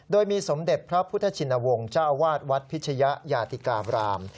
โดยมีสมเด็จพระพุทธชินวงศ์เจ้าอาวาสวัดพิชยะยาติกาบราม